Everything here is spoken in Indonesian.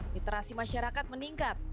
literasi masyarakat meningkat